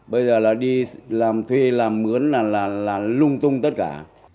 bây giờ là đi làm thuê làm mướn là lung tung tất cả